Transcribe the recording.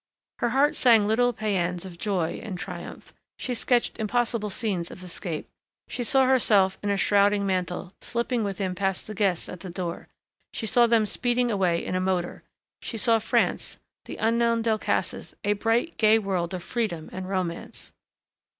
Her heart sang little pæans of joy and triumph. She sketched impossible scenes of escape she saw herself, in a shrouding mantle, slipping with him past the guests at the door, she saw them speeding away in a motor, she saw France, the unknown Delcassés a bright, gay world of freedom and romance.